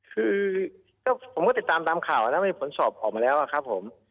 คือก็ผมก็ติดตามตามข่าวนะมีผลสอบออกมาแล้วครับผม